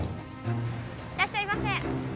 いらっしゃいませ。